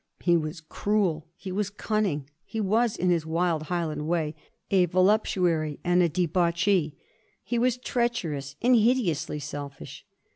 He was cruel, he was cunning ; he was, in his wild Highland way, a vo luptuary and a debauchee ; he was treacherous and hide ously selfish.